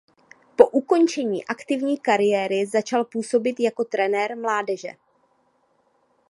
Po ukončení aktivní kariéry začal působit jako trenér mládeže.